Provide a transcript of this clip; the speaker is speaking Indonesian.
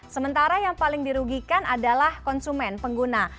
sementara yang paling dirugikan adalah konsumen pengguna